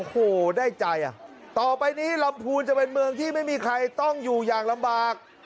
โอ้โหได้ใจอ่ะต่อไปนี้ลำพูนจะเป็นเมืองที่ไม่มีใครต้องอยู่อย่างลำบาก